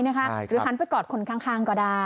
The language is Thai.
หันไปกอดคนข้างก็ได้